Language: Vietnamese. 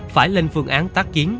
phải lên phương án tác chiến